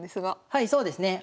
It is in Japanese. はいそうですね。